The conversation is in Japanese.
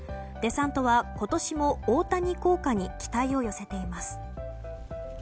デサントは今年も大谷効果に期待を寄せています。